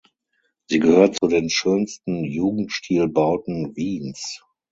Sie gehört zu den schönsten Jugendstilbauten Wiens.